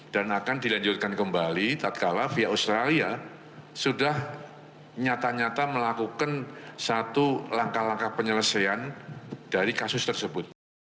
dan akan dilanjutkan kembali tak kala via australia sudah nyata nyata melakukan satu langkah langkah penyelesaian dari kasus tersebut